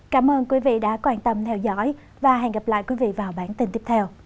cảm ơn quý vị đã quan tâm theo dõi và hẹn gặp lại quý vị vào bản tin tiếp theo